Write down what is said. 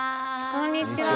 こんにちは。